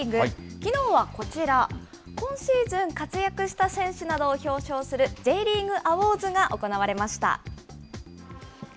きのうはこちら、今シーズン活躍した選手などを表彰するＪリーグアウォーズが行われました。